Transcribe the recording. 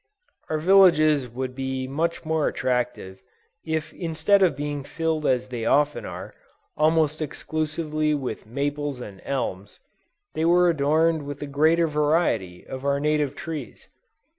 _ Our villages would be much more attractive, if instead of being filled as they often are, almost exclusively with maples and elms, they were adorned with a greater variety of our native trees.